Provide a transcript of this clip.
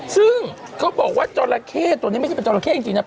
ซึ่งเขาบอกว่าจราเข้ตัวนี้ไม่ใช่เป็นจราเข้จริงนะ